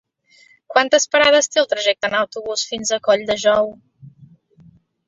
Quantes parades té el trajecte en autobús fins a Colldejou?